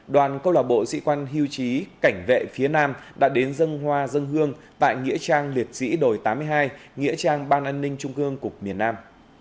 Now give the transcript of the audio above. đoàn câu lạc bộ sĩ quan hiêu trí cảnh vệ phía nam đã đến dân hoa dân hương tại nghĩa trang liệt sĩ đồi tám mươi hai nghĩa trang ban an ninh trung ương cục miền nam